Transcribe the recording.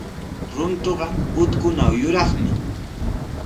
Runtuqa utkunaw yuraqmi.